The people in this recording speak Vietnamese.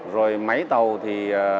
rồi máy tàu thì